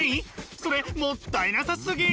それもったいなさすぎ！